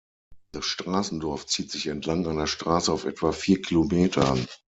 Das Straßendorf zieht sich entlang einer Straße auf etwa vier Kilometern.